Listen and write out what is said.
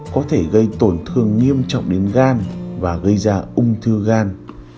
có thể gây tổn thương nghiêm trọng đến gan và gây ra ung thư gan